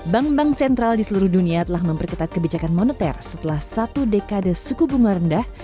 bank bank sentral di seluruh dunia telah memperketat kebijakan moneter setelah satu dekade suku bunga rendah